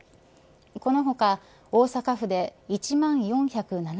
この他、大阪府で１万４０７人